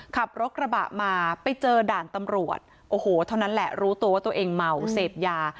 ขับรถกระบะมาไปเจอด่านตำรวจโอ้โหเท่านั้นแหละรู้ตัวว่าตัวเองเมาเสพยา